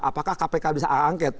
apakah kpk bisa angket